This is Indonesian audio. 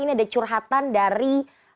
ini ada curhatan dari